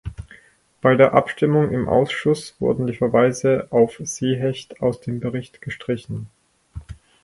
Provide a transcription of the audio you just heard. Bei der Abstimmung im Ausschuss wurden die Verweise auf Seehecht aus dem Bericht gestrichen.